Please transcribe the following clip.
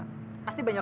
mertua lu pasti banyak